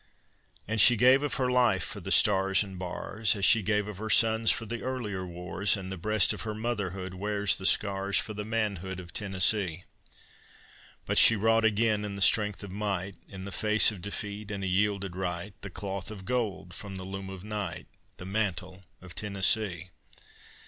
And she gave of her life for the stars and bars, As she gave of her sons for the earlier wars, And the breast of her motherhood wears the scars, For the manhood of Tennessee. But she wrought again, in the strength of might, In the face of defeat and a yielded right, The Cloth of Gold from the loom of night, The mantle of Tennessee.